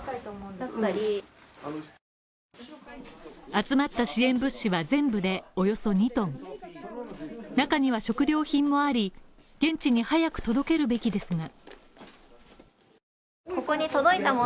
集まった支援物資は全部でおよそ２ｔ、中には食料品もあり、現地に早く届けるべきですが。